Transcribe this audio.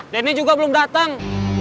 denis juga belum datang